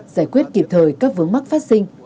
giải quyết kịp thời các vướng mắc phát sinh